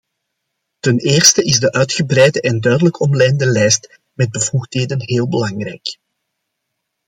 Ten eerste is de uitgebreide en duidelijk omlijnde lijst met bevoegdheden heel belangrijk.